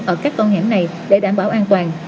ở các con hẻm này để đảm bảo an toàn